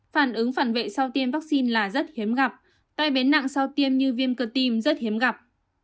phản ứng phản vệ sau tiêm vaccine là rất hiếm gặp tai biến nặng sau tiêm như viêm cơ tim rất hiếm gặp